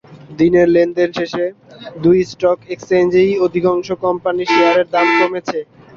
দিনের লেনদেন শেষে দুই স্টক এক্সচেঞ্জেই অধিকাংশ কোম্পানির শেয়ারের দাম কমেছে।